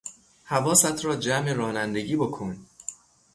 حواست را جمع رانندگی بکن!